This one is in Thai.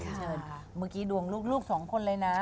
เชิญค่ะเมื่อกี้ดวงลูกสองคนเลยนะ